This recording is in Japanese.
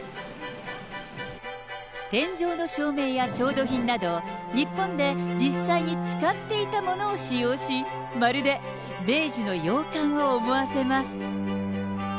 天井の照明や調度品など、日本で実際に使っていたものを使用し、まるで明治の洋館を思わせます。